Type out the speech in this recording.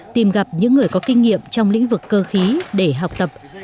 tìm gặp những người có kinh nghiệm trong lĩnh vực cơ khí để học tập